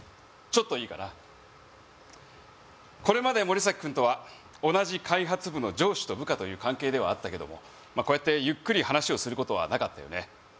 ちょっといいかなこれまでモリサキ君とは同じ開発部の上司と部下という関係ではあったけどもまあこうやってゆっくり話をすることはなかったよね